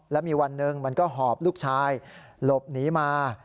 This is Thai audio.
แล้วมีวันหนึ่งมันก็หอบลูกชายหลบหนีมา